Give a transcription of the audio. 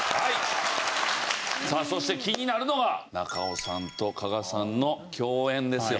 さあそして気になるのが中尾さんと加賀さんの共演ですよ。